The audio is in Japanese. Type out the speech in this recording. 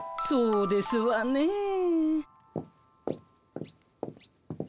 そうですわねえ。